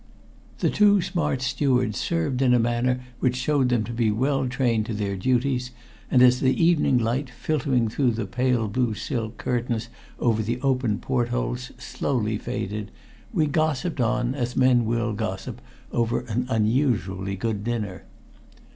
The two smart stewards served in a manner which showed them to be well trained to their duties, and as the evening light filtering through the pale blue silk curtains over the open port holes slowly faded, we gossiped on as men will gossip over an unusually good dinner.